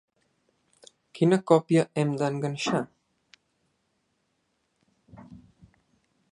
Quina còpia hem d'enganxar?